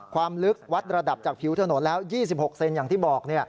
ความลึกวัดระดับจากผิวถนนแล้ว๒๖เซนอย่างที่บอก